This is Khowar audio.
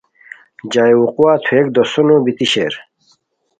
جائے وقوعا تھوویک دوسونو بیتی شیر